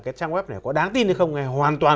cái trang web này có đáng tin hay không hoàn toàn